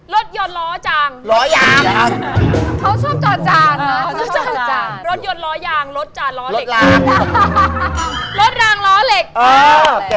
รถยนต์ล้อยางรถจานล้อเหล็ก